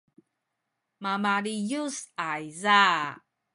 mabaliyus ayza